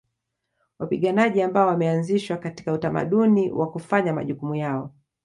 Wapiganaji ambao wameanzishwa katika utamaduni wa kufanya majukumu yao